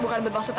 sudah mbak syahira